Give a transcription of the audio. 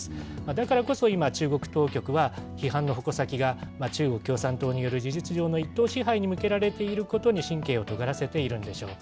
だからこそ今、中国当局は批判の矛先が中国共産党による事実上の一党支配に向けられていることに神経をとがらせているんでしょう。